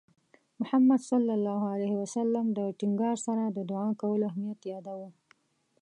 محمد صلى الله عليه وسلم د ټینګار سره د دُعا کولو اهمیت یاداوه.